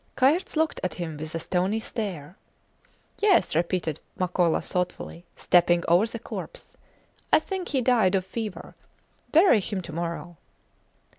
Kayerts looked at him with a stony stare. Yes, repeated Makola, thoughtfully, stepping over the corpse, I think he died of fever. Bury him to morrow.